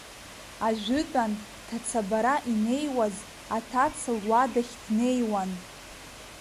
Ажәытәан, ҭацабара инеиуаз, аҭаца луадахь днеиуан.